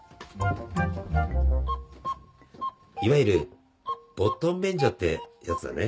いわゆるボットン便所ってやつだね。